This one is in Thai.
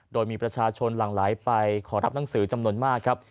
โดยมีประชาชนหลั่งไหลไปขอรับหนังสือจำนวนมากครับ